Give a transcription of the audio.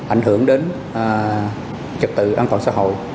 ảnh hưởng đến trật tự an toàn xã hội